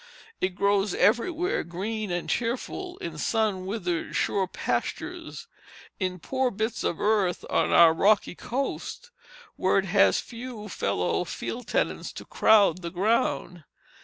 It grows everywhere, green and cheerful, in sun withered shore pastures, in poor bits of earth on our rocky coast, where it has few fellow field tenants to crowd the ground.